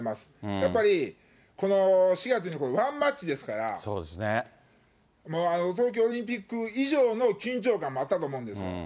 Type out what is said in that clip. やっぱりこの４月に、ワンマッチですから、もう東京オリンピック以上の緊張感もあったと思うんです。